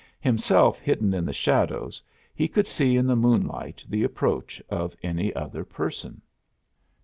Himself hidden in the shadows he could see in the moonlight the approach of any other person.